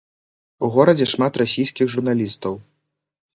У горадзе шмат расійскіх журналістаў.